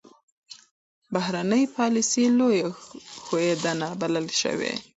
بهرنۍ پالیسي لویه ښوېېدنه بلل شوه.